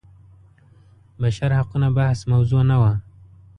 بشر حقونه بحث موضوع نه وه.